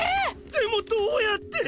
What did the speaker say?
でもどうやって。